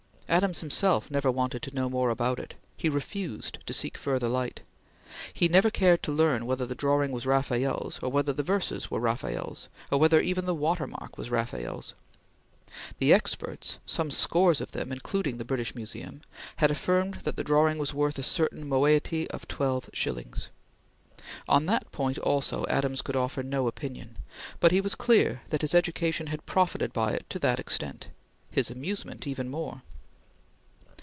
Adams himself never wanted to know more about it. He refused to seek further light. He never cared to learn whether the drawing was Rafael's, or whether the verse was Rafael's, or whether even the water mark was Rafael's. The experts some scores of them including the British Museum, had affirmed that the drawing was worth a certain moiety of twelve shillings. On that point, also, Adams could offer no opinion, but he was clear that his education had profited by it to that extent his amusement even more.